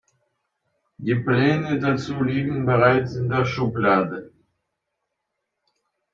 Die Pläne dazu liegen bereits in der Schublade.